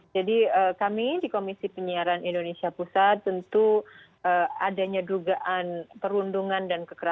jadi kami di komisi penyiaran indonesia pusat tentu adanya dugaan perundungan dan kekerasan